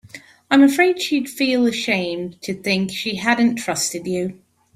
I'm afraid she'd feel ashamed to think she hadn't trusted you.